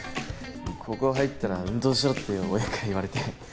高校入ったら運動しろって親から言われて。